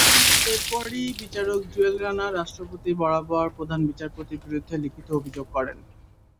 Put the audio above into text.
এরপরই বিচারক জুয়েল রানা রাষ্ট্রপতির বরাবর প্রধান বিচারপতির বিরুদ্ধে লিখিত অভিযোগ করেন।